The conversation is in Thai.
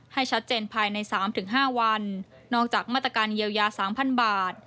ให้ชัดเจนภายใน๓๕วันนอกจากมาตรการเยียวยา๓๐๐บาท